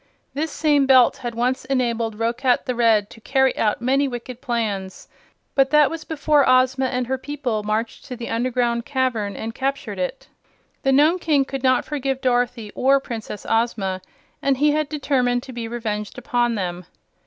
This same Belt had once enabled Roquat the Red to carry out many wicked plans; but that was before Ozma and her people marched to the underground cavern and captured it. The Nome King could not forgive Dorothy or Princess Ozma, and he had determined to be revenged upon them.